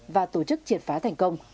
và tổ chức triệt phá thành công